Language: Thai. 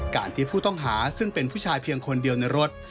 การที่ผู้ต้องหาซึ่งเป็นผู้ชายเพียงคนเดียวในรถ